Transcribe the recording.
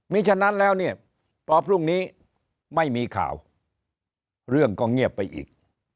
มีฉะนั้นแล้วเนี่ยพอพรุ่งนี้ไม่มีข่าวเรื่องก็เงียบไปอีก